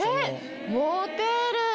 モテる！